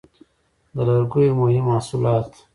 د لرګیو مهم محصولات: